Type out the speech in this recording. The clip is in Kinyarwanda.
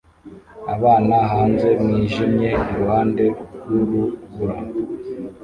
abana hanze mwijimye iruhande rwurubura